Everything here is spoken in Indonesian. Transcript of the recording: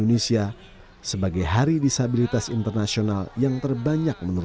dan juga dari kampanye